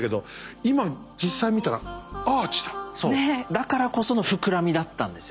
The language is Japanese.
だからこその膨らみだったんですよ。